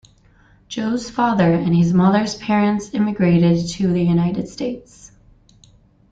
Joe's father and his mother's parent's immigrated to the United States.